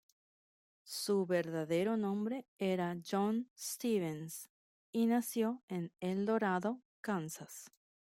Su verdadero nombre era John Stevens, y nació en El Dorado, Kansas.